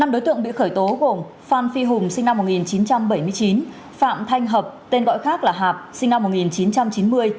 năm đối tượng bị khởi tố gồm phan phi hùng sinh năm một nghìn chín trăm bảy mươi chín phạm thanh hợp tên gọi khác là hạp sinh năm một nghìn chín trăm chín mươi